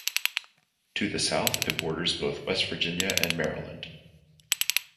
To the south, it borders both West Virginia and Maryland.